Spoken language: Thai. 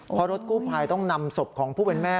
เพราะรถกู้ภัยต้องนำศพของผู้เป็นแม่